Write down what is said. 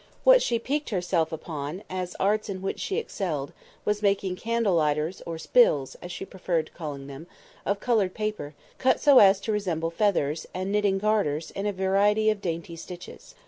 What she piqued herself upon, as arts in which she excelled, was making candle lighters, or "spills" (as she preferred calling them), of coloured paper, cut so as to resemble feathers, and knitting garters in a variety of dainty stitches.